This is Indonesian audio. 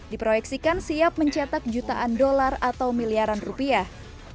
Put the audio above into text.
diproyeksikan siap mencetak jutaan dolar atau miliaran rupiah